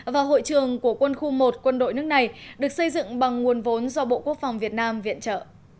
và hội trường của quân khu một quân đội nước này được xây dựng bằng nguồn vốn do bộ quốc phòng việt nam viện trợ